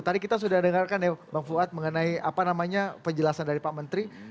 tadi kita sudah dengarkan ya bang fuad mengenai apa namanya penjelasan dari pak menteri